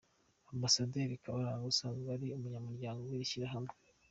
Ambasaderi Karabaranga asanzwe ari umunyamuryango w’iri shyirahamwe.